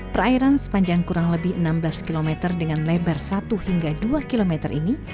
perairan sepanjang kurang lebih enam belas km dengan lebar satu hingga dua km ini